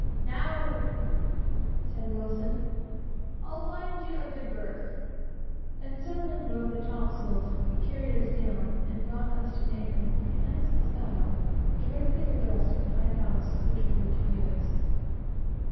"Now," said Wilson, "I'll find you a good berth;" and setting both the topsails, he carried us down, and brought us to anchor, in handsome style, directly abreast of the hide house which we were to use.